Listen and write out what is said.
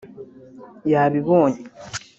yabibonye